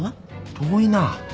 遠いな。